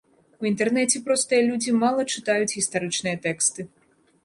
У інтэрнэце простыя людзі мала чытаюць гістарычныя тэксты.